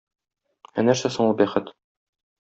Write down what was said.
Ә нәрсә соң ул бәхет?